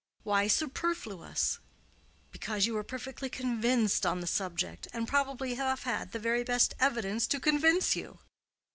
"Why superfluous?" "Because you are perfectly convinced on the subject—and probably have had the very best evidence to convince you."